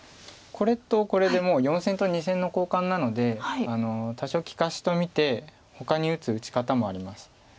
これとこれでもう４線と２線の交換なので多少利かしと見てほかに打つ打ち方もあります。